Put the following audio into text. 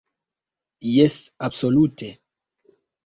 Jes, absolute!